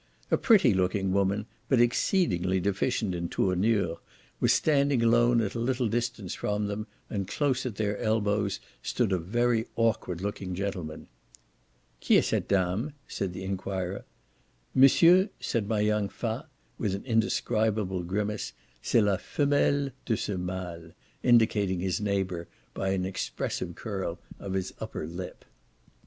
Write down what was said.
A pretty looking woman, but exceedingly deficient in tournure, was standing alone at a little distance from them and close at their elbows stood a very awkward looking gentleman. "Qui est cette dame?" said the enquirer. "Monsieur," said my young fat, with an indescribable grimace, "c'est la femelle de ce male, " indicating his neighbour by an expressive curl of his upper lip.